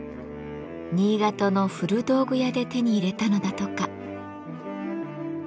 新潟の古道具屋で手に入れたのだとか。